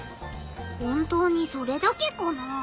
本当にそれだけかなあ？